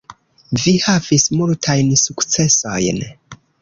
Vi havis multajn sukcesojn.